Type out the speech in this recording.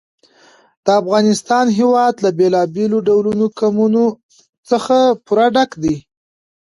د افغانستان هېواد له بېلابېلو ډولو قومونه څخه پوره ډک دی.